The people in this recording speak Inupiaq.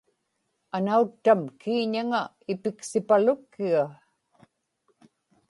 anauttam kiiñaŋa ipiksipalukkiga